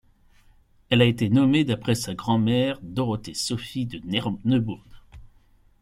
Elle a été nommée d'après sa grand-mère, Dorothée-Sophie de Neubourg.